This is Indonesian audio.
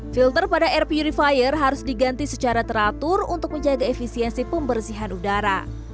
filter pada air purifier harus diganti secara teratur untuk menjaga efisiensi pembersihan udara